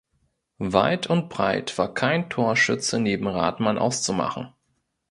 Weit und breit war kein Torschütze neben Rathmann auszumachen.